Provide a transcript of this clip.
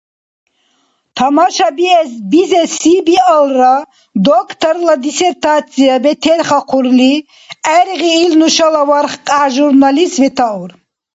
Тамшабизеси биалра, докторла диссертация бетерхахъурли гӀергъи ил нушала вархкья – журналист ветаур.